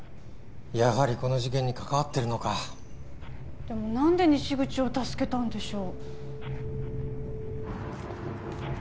やはりこの事件に関わってるのかでも何で西口を助けたんでしょう？